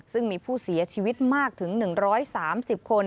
ซึ่งมีผู้เสียชีวิตมากถึง๑๓๐คน